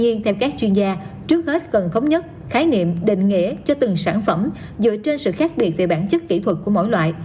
nhiên theo các chuyên gia trước hết cần thống nhất khái niệm định nghĩa cho từng sản phẩm dựa trên sự khác biệt về bản chất kỹ thuật của mỗi loại